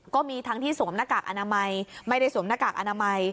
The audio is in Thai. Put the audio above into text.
ก็มีทั้งที่สวมหน้ากากอนามัยไม่ได้สวมหน้ากากอนามัย